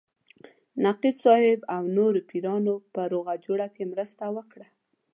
نقیب صاحب او نورو پیرانو په روغه جوړه کې مرسته وکړه.